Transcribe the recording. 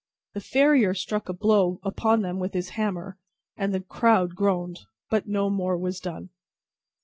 The farrier struck a blow upon them with his hammer, and the crowd groaned; but, no more was done.